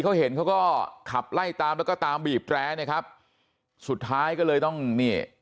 เขาเห็นเขาก็ขับไล่ตามแล้วก็ตามบีบแร้นะครับสุดท้ายก็เลยต้องนี่